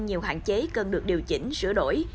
nhiều hạn chế cần được điều chỉnh sửa đổi